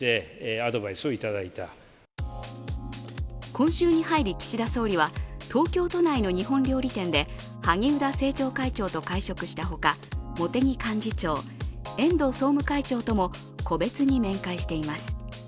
今週に入り岸田総理は東京都内の日本料理店で萩生田政調会長と会食したほか茂木幹事長、遠藤総務会長とも個別に面会しています。